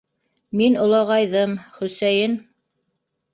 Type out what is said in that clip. Мин олоғайҙым, Хөсәйен...